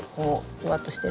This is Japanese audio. ふわっとしてる？